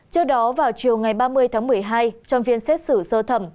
trước đó vào chiều ngày ba mươi tháng một mươi hai trong phiên xét xử sơ thẩm